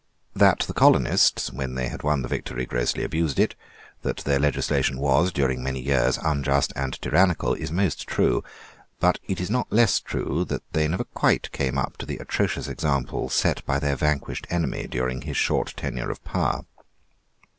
That the colonists, when they had won the victory, grossly abused it, that their legislation was, during many years, unjust and tyrannical, is most true. But it is not less true that they never quite came up to the atrocious example set by their vanquished enemy during his short tenure of power.